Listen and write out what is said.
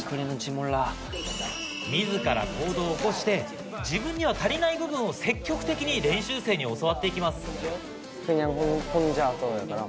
自ら行動を起こして自分には足りない部分を積極的に練習生に教わっていきます。